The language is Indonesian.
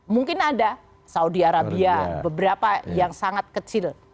mungkin ada saudi arabia beberapa yang sangat kecil